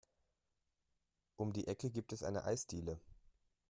Um die Ecke gibt es eine Eisdiele.